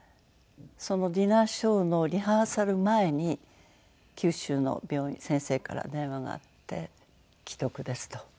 そのディナーショーのリハーサル前に九州の病院の先生から電話があって「危篤です」と。